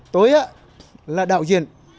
tôi á là đạo diễn